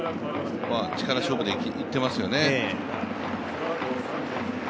力勝負でいっていますよね。